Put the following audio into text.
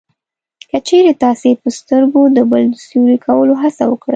که چېرې تاسې په سترګو د بل د سوري کولو هڅه وکړئ